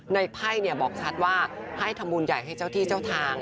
ไพ่บอกชัดว่าให้ทำบุญใหญ่ให้เจ้าที่เจ้าทาง